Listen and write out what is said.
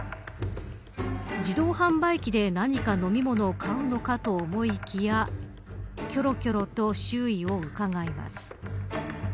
自動販売機で何か飲み物を買うのかと思いきやきょろきょろと周囲を伺います。